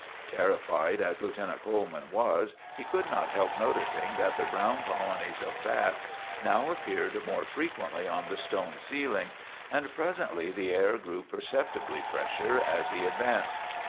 Terrified as Lieutenant Coleman was, he could not help noticing that the brown colonies of bats now appeared more frequently on the stone ceiling, and presently the air grew perceptibly fresher as he advanced.